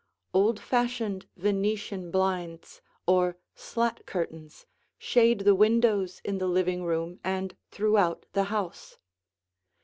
Old fashioned Venetian blinds or slat curtains shade the windows in the living room and throughout the house.